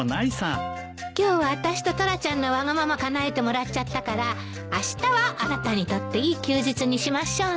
今日はあたしとタラちゃんのわがままかなえてもらっちゃったからあしたはあなたにとっていい休日にしましょうね。